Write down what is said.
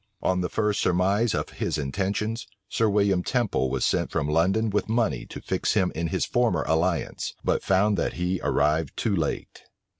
On the first surmise of his intentions, Sir William Temple was sent from London with money to fix him in his former alliance; but found that he arrived too late.